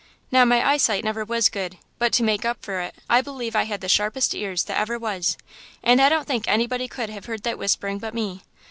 Now my eyesight never was good, but to make up for it I believe I had the sharpest ears that ever was, and I don't think anybody could have heard that whispering but me.